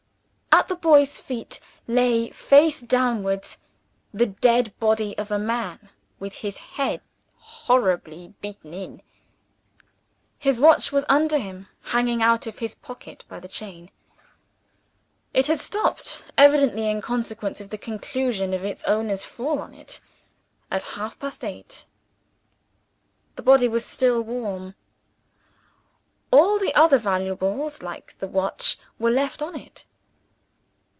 At the boy's feet lay, face downwards, the dead body of a man, with his head horribly beaten in. His watch was under him, hanging out of his pocket by the chain. It had stopped evidently in consequence of the concussion of its owner's fall on it at half past eight. The body was still warm. All the other valuables, like the watch, were left on it.